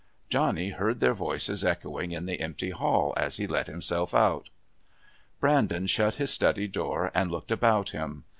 Johnny heard their voices echoing in the empty hall as he let himself out. Brandon shut his study door and looked about him.